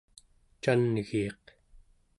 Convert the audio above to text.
can'giiq